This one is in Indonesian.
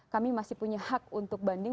kami masih punya hak untuk banding